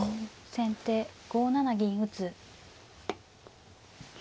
先手５七銀打。